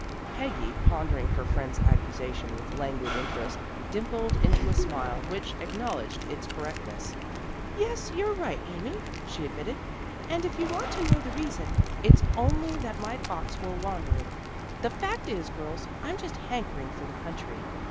Peggy, pondering her friend's accusation with languid interest, dimpled into a smile which acknowledged its correctness. "Yes, you're right, Amy," she admitted. "And, if you want to know the reason, it's only that my thoughts were wandering. The fact is, girls, I'm just hankering for the country."